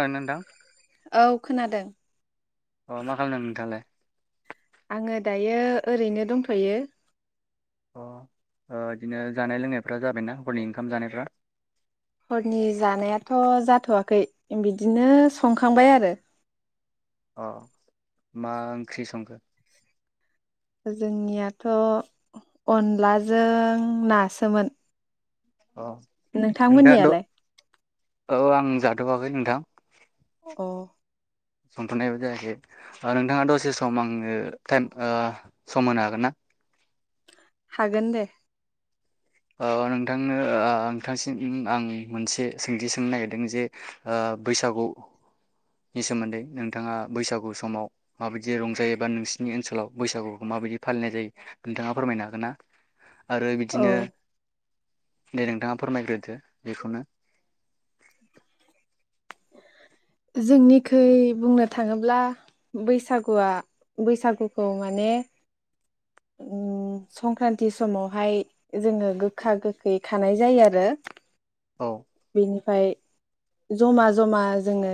औ नोंथां औ खोनादों अ मा खालामदों नोंथाङालाय आङो दायो ओरैनो दंथयो अ ओ बिदिनो जानाय लोंनायफ्रा जादों ना हरनि ओंखाम जानायफ्रा हरनि जानायाथ जाथवाखै खै बिदिनो संखांबाय आरो अ, मा ओंख्रि संखो? जोंनियाथ अनलाजों नासोमोन। अ [unintelligible] नोंथांमोननियालाय औ आं जाथवाखै नोंथां अ संथनायबो जायाखै ओ नोंथाङा दसे सम आंनो टाइम ओ सम होनो हागोन ना? हागोन दे। ओ नोंथांनो ओ नोंथांसिम आं मोनसे सोंथि सोंनो नागिरदों जे ओ बैसागु नि सोमोन्दै नोंथाङा बैसागु समाव माबायदि रंजायो बा नोंसिनि ओनसोलाव बैसागुखौ माबायदि फालिनाय जायो नोंथाङा फोरमायनो हागोन ना? आरो औ बिदिनो दे नोंथाङा फोरमायग्रोदो बेखौनो जोंनिखैइ बुंनो थाङोब्ला बैसागुआ बैसागुखौ माने उम संक्रान्ति समावहाय जोङो गोखा गोखै खानाय जायो आरो औ बेनिफाय जमा जमा जोङो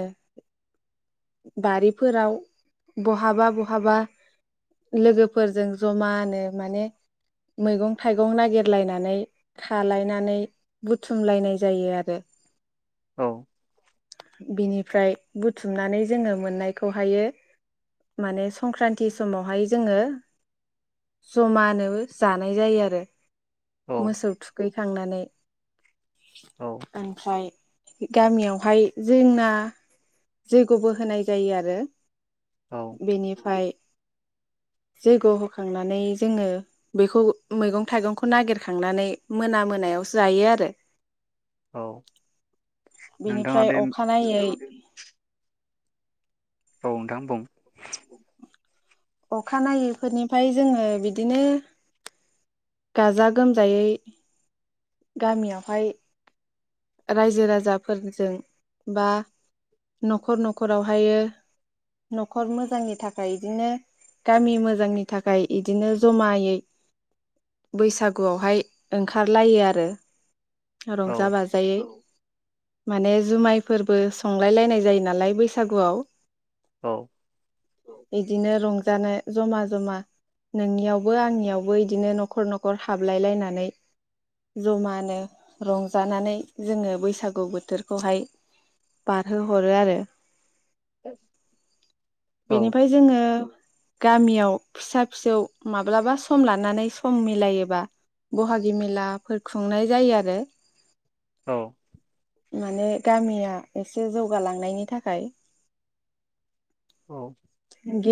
बारिफोराव बहाबा बहाबा लोगोफोरजों जमानो माने मैगं थाइगं नागिरलायनानै खाालायनानै बुथुमलायनाय जायो आरो औ बिनिफ्राय बुथुमनानै जोङो मोननायखौहायो माने संक्रान्ति समावहाय जोङो जमानो जानाय जायो आरो औ मोसौ थुखैखांनानै औ ओमफ्राय गामियावहाय जोंना जोग गबो होनाय जायो आरो औ बेनिफाय जैग होखांनानै जोङो बेखौ मैगं थाइगंखौ नागिरखांनानै मोना मोनायावसो जायो आरो औ नोंथाङा बे बेनिफ्राय अखानायै औ नोंथां बुं [inaudible] अखानायैफोरनिफ्राय जोङो बिदिनो गाजा गोमजायै गामियावहाय रायजो राजाफोरजों बा न'खर न'खरावहायो न'खर मोजांनि थाखाय इदिनो गामि मोजांनि थाखाय इदिनो जमायै बैसागुआवहाय ओंखारलायो आरो। औ रंजा बाज यै माने जुमायफोरबो संलाय लायनाय जायो नालाय बैसागुआव। औ। इदिनो रंजानो जमा जमा नोंनियावबो आंनियावबो इदिनो न'खर न'खर हाबलायलायनानै जमानो रंजानानै जोङो बैसागु बोथोरखौहाय बारहोहरो आरो। औ औ बेनिफाय जोङो गामियाव फिसा फिसौ माब्लाबा सम लानानै सम मिलायोबा बहागि मेलाफोर खुंनाय जायो आरो। औ। माने गामिया एसे जौगालांनायनि थाखाय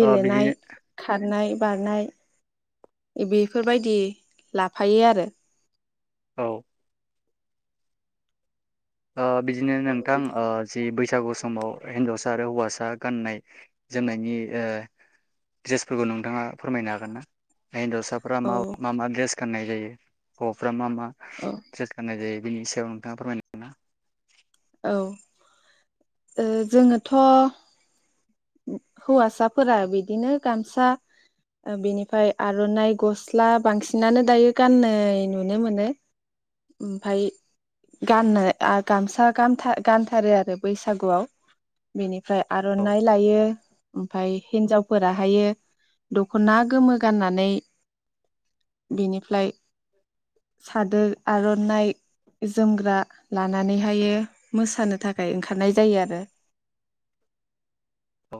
ओ बिदिनो खारनाय बारनाय बेफोरबायदि लाफायो आरो। औ। ओ बिदिनो नोंथां ओ जि बैसा बैसागु समाव हिनजावसा आरो हौवासा गाननाय जोमनायनि ओ ड्रेसफोरखौ नोंथाङा फोरमायनो हागोनना? हिनजावसाफ्रा औ मा मा द्रेस गाननाय जायो हौवाफ्रा मा मा? मा औ द्रेस गान्नाय जायो मा? बेनि सायाव नोंथाङा फोरमाय [unintelligible] औ ओ जोङोथ' हौवासाफोरा बिदिनो गामसा बिनिफ्राय आर'नाइ गस्ला बांसिनानो दायो गाननाय नुनो मोनो ओमफाय गाननो गामसा गानथा गानथारो आरो बैसागुआव बेनिफ्राय औ आर'नाइ लायो ओमफ्राय हिनजावफोरा हायो दख'ना गोमो गाननानै बिनिफ्लाय सादोर आर' नाय जोमग्रा लानानैहायो मोसानो थाखाय ओंखारनाय जायो आरो। औ।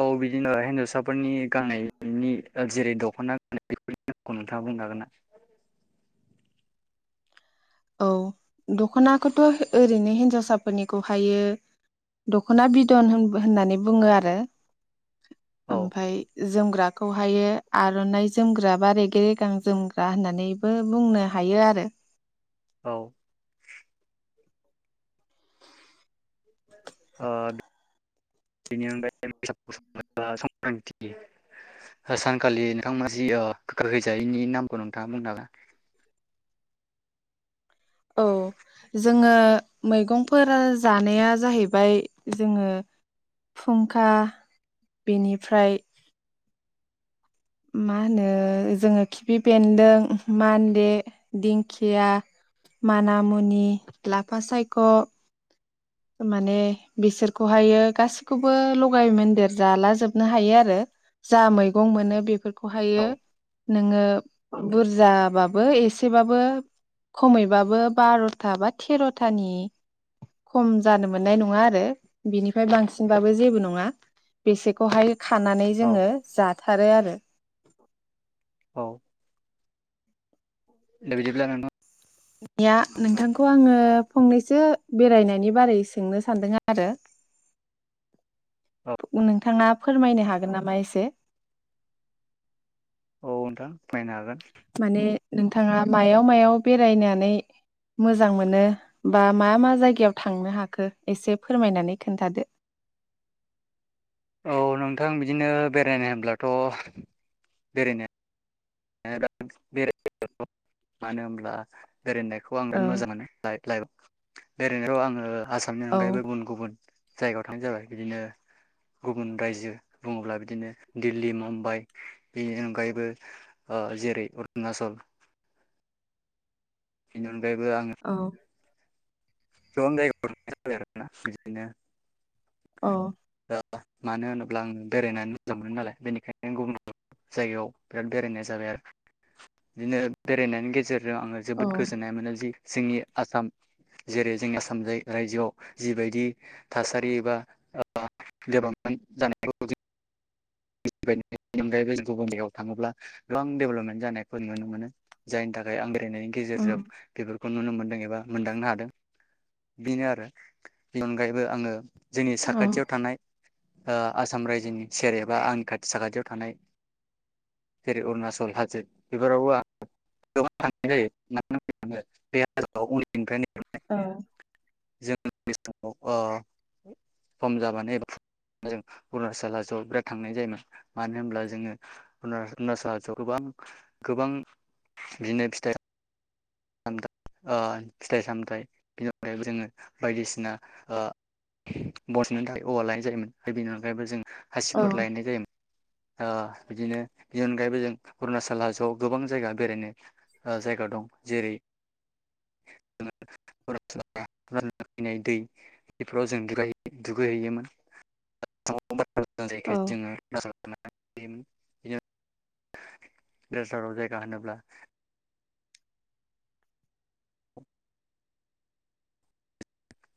औ बिदिनो हिनजावसाफोरनि गाननायनि जेरै दख'ना गाननाय [unintelligible] बेफोरनिखौ नोंथाङा बुंनो हागोनना? औ दख'नाखौथ' ओरैनो हिनजावसाफोरनिखौहायो दख'ना बिदन होन होननानै बुङो आरो। औ ओमफाय जोमग्राखौहायो आर'नाइ जोमग्रा बा रेगे रेगां जोमग्रा होननानैबो बुंनो हायो आरो। औ। ओ बेनि अनगायै [unintelligible] संक्रान्ति सानखालि नोंथांमोना जि [unintelligible] जायैनि नामखौ नोंथाङा बुंनो हागोन? औ जोङो मैगंफोर जानाया जाहैबाय जोङो फुंखा बेनिफ्राय मा होनो जोङो खिफि बेन्दों मान्दे दिंखिया मानामुनि लाफा सायख' माने बिसोरखौहाय यो गासिखौबो लगाय मोनदेर जाला जोबनो हायो आरो जा मैगं मोनो बेफोर खहायो। औ नोङो बुरजाबाबो एसेबाबो खमैबाबो बार'था बा थेर'थानि खम जानो मोननाय नङा आरो बिनिफ्राय बांसिनबाबो जेबो नङा बेसेखौहाय खानानै औ जोङो जाथारो आरो। [inaudible] औ। दा बिदिब्ला नोंथां [unintelligible] नोंथांखौ आङो फंनैसो बेरायनायनि बारै सोंनो सान्दों आरो औ नोंथाङा फोरमायनो हागोन नामा एसे? औ नोंथां फोरमायनो हागोन। माने नोंथाङा मायाव मायाव बेरायनानै मोजां मोनो बा मा मा जायगायाव थांनो हाखो एसे फोरमायनानै खोन्थादो। औ नोंथां बिदिनो बेरायनो होनब्लाथ बेरायनाय [unintelligible] मानो‌ होम्बला बेरायनायखौ आं औ बिराद मोजां मोनो लाइपलाइपआव। बेरायनायाव आङो आसामनि औ अनगायैबो गुबुन गुबुन जायगायाव थांनाय जाबाय बिदिनो गुबुन रायजो बुङोब्ला बिदिनो दिल्ली मुम्बाइ बेनि अनगायैबो। जेरै उरनाचल [inaudible] अनगायैबो औ आङो [inaudible] औ। ओ मानो होनोब्ला आङो बेरायनानै मोजां मोनो नालाय बेनिखायनो गुबुन गुबुन जायगायाव बिराद बेरायनाय जाबाय आरो। बिदिनो बेरायनायनि गेजेरजों आरो आङो औ जोबोद गोजोन्नाय मोनो जि जोंनि आसाम जेरै जों आसाम रायजोआव जिबायदि थासारि एबा ओ [unintelligible] अनगायैबो‌ गुबुन‌ जायगायाव थाङोब्ला गोबां देब'लपमेन्ट जानायफोर नुनो मोनो जायनि थाखाय आं बेरायनायनि औ गेजेरजों बेफोरखौ नुनो मोनो। एबा मोनदांनो हादों। बेनो आरो बेनि अनगायैबो आङो जोंनि औ साखाथियाव थानाय ओ आसाम रायजोनि सेर एबा आंनि खाथि साखाथियाव थानाय जेरै उरणाचल हाजो बेफोरावबो आं गोबां थानाय जायो [unintelligible] उन्दैनिफ्रायनो ओं। जों उन्दै समाव ओ सम जाबानो एबा जों उरणाचल हाजोआव बिराद थांनाय जायोमोन मानो होनब्ला जोङो उरणचल हाजोआव गोबां गोबां बिदिनो फिथाइ साम [unintelligible] ओ फिथाइ सामथाय बिनि अनगायैबो जोङो बायदिसिना ओ बसनो थाखाय औवा लायनाय जायोमोन। आरो बेनि अनगायैबो जों हासिबफोर लानाय जायोमोन। ओ बिदिनो बेनि अनगायैबो जों उरणाचल हाजोआव गोबां जायगा बेरायनो जायगा दं। जेरै [unintelligible] फैनाय दै‌ बेफोराव‌ जों‌ दुगाय दुगैहैयोमोन [unintelligible] [inaudible] [unintelligible] जायगा होनोब्ला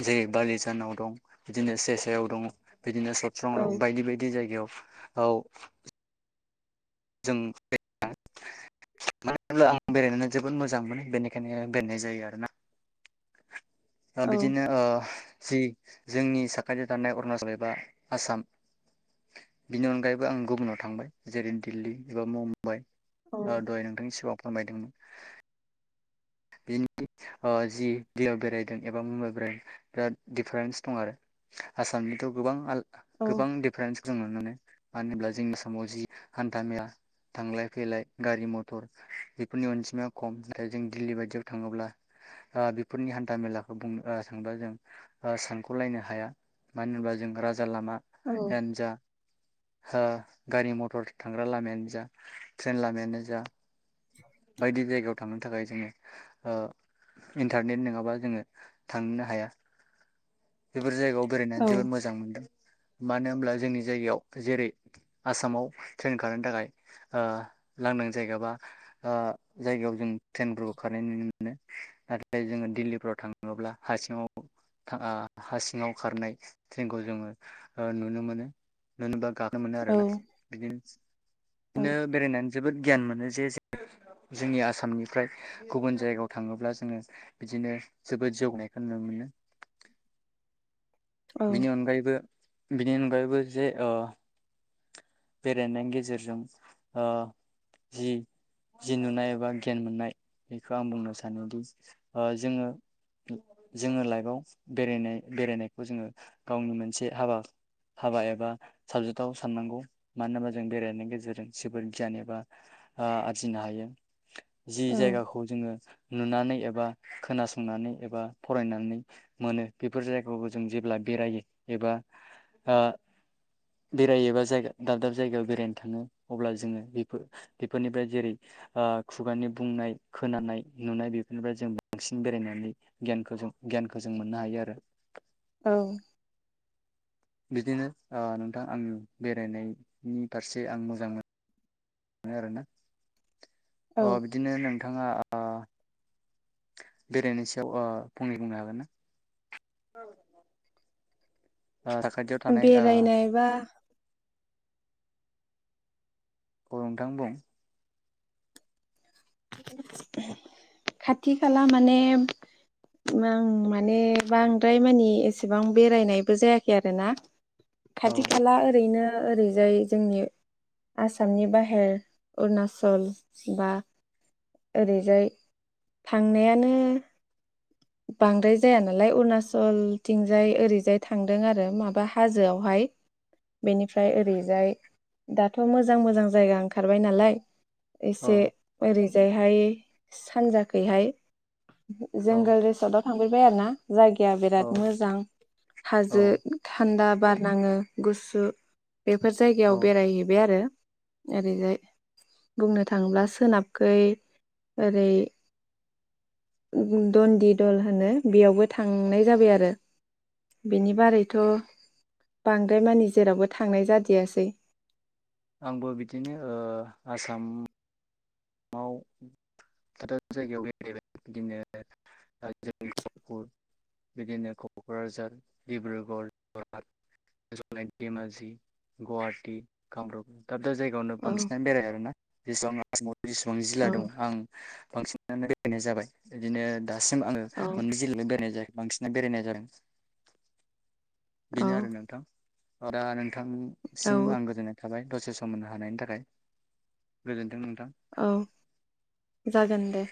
जेरै बालिजानाव दं बिदिनो सेसायाव दं। बिदिनो सथ्रंआव दं बायदि बायदि जायगायाव। औ। जों [unintelligible] आं बेरायनानै जोबोद मोजां मोनो बेनिखायनो बेरायनाय जायो आरोना। ओ बिदिनो ओ जि। जोंनि साखाथियाव थानाय अरुणाचल एबा आसाम बिनि अनगायैबो आं गुबुनाव थांबाय जेरै दिल्लि एबा मुम [unintelligible] औ ओ दहाय नोंथांनि सिंगाआव। फोरमायदोंमोन। बिनि ओ जि दियाव बेरायदों एबा मुम्बाइ बेराय बिराद दिफारेन्स दं आरो आसामनिथ गोबां आल गोबां दिफारेन्सखौ जों नुनो मोनो मानो होनोब्ला जोंनि समाव जि हान्था मेला थांलाय फैलाय गारि मथर बेफोरनि अनजिमाया खम नाथाय जों दिल्ली बायदियाव थाङोब्ला ओ बेफोरनि हान्था मेलाखौ बुंनो आ थांबा जों ओ सानखलायनो हाया मानो होनबा जों राज लामायानो जा हो गारि मथर थांग्रा लामायानो जा ट्रेन लामायानो जा बायदि जायगायाव थांनो थाखाय जोङो ओ इन्टारनेट नङाबा जोङो थांनो हाया बेफोर जायगायाव बेरायनानै जोबोद मोजां मोनदों मानो होनोमब्ला जोंनि जायगायाव जेरै आसामाव ट्रेन खारनो थाखाय ओ लांदां जायगा बा ओ जायगायाव जों ट्रेनफोरखौ खारनाय नुनो मोनो नाथाय जोङो दिल्लीफ्राव थाङोब्ला हा सिङाव था ओ हा सिङाव खारनाय ट्रेनखौ जोङो ओ नुनो मोनो नुनोबा गाब मोनो आरो ना बिदनोस बिदिनो बेरायनानै जोबोद गियान मोनो जे जो जोंनि आसामनिफ्राय गुबुन जायगायाव थाङोब्ला जोङो बिदिनो जोबोद जौनायखौ नुनो मोनो बिनि अनगायबो बिनि अनगायैबो जे ओ बेरायनायनि गेजेरजों ओ जि जि नुनाय एबा गियान मोननाय बेखौ आं बुंनो सानोदि ओ जोङो जोङो लाइफआव बेरायनाय बेरायनाय खौ जोङो गावनि मोनसे हाबा हाबा एबा साबजेक्टआव साननांगौ मानो होनबा जों बेरायनायनि गेजेरजों जोबोर गियान एबा ओ आरजिनो हायो जि औ जायगाखौ जोङो नुनानै एबा खोनासंनानै एबा फरायनानै मोनो बेफोर जायगखौ जों जेब्ला बेरायो एबा ओ बेरायोबा जायगा दाब दाब जायगायाव बेरायनो थाङो अब्ला जोङो बेफोर बेफोरनिफ्राय जेरै ओ खुगानि बुंनाय खोनानाय नुनाय बेफोरनिफ्राय जों बांसिन बेरायनानै गियानखौ जों गियानखौ जों मोननो हायो आरो औ बिदिनो ओ नोंथां आंनि बेरायनायनि फारसे आं मोजां मोनो मोनो आरोना। औ अ बिदिनो नोंथाङा ओ बेरायनाय सायाव ओ फंनै बुंनो हागोन ना? ओ साखाथियाव थानाय ओ बेरायनायबा गरंथां बुं खाथि खाला माने मां माने बांद्राय मानि एसेबां बेरायनायबो जायाखै आरोना औ खाथि खाला ओरैनो ओरैजाय जोंनि आसामनि बाहेर अरुनाचल बा ओरैजाय थांनायानो बांद्राय जाया नालाय अरुणाचलथिंजाय ओरैजाय थांदों आरो माबा हाजोआवहाय बेनिफ्राय ओरैजाय दाथ मोजां मोजां जायगा ओंखारबाय नालाय औ एसे ओरै ओहाय सानजाखैहाय औ जोंगोल [unintelligible] थांफेरबाय आरो ना जायगाया औ बिराद मोजां औ हाजो थान्दा बारनाङो गुसु बेफोर औ जायगायाव बेरायहैबाय आरो ओरैजाय बुंनो थाङोब्ला सोनाबखै ओरै दन्दित दोल होनो बेयावबो थांनाय जाबाय आरो बिनि बारैथ बांद्राय मानि जेरावबो थांनाय जादियासै आंबो बिदिनो ओ आसाम दाब दाब जायगायाव बेरायबाय बिदिनो ओ जोंनि गहपुर बिदिनो ककराझार डिब्रुगढ़ जरहात जनाई धेमाजि गुहाटि कामराप दाब दा जायगायावनो औ बांसिनानो बेराय खागोनना [unintelligible] ला दं औ [unintelligible] बांसिनानो बेरायनाय जाबाय बिदिनो दासिम आङो औ मोनबै जिल्लायावल बेरायनाय जायाखै बांसिनानो बेरायनाय जादों औ बिनो आरो नोंथां अ दा नों थांनिसिम औ आं गोजोननाय थाबाय दसे सम होनो हानायनि थाखाय गोजोन्थों नों औ जागोन दे